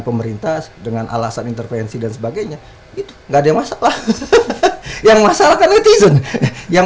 pemerintah dengan alasan intervensi dan sebagainya itu enggak ada masalah yang masalahkan netizen yang